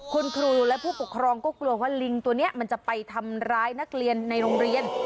คุณครูและผู้ปกครองก็กลัวว่าลิงตัวนี้มันจะไปทำร้ายนักเรียนในโรงเรียน